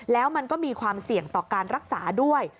แล้วมันก็มีความเสี่ยงต่อการรักษาด้วย